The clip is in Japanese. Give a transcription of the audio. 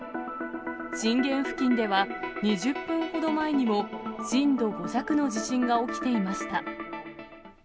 震源付近では、２０分ほど前にも震度５弱の地震が起きていました。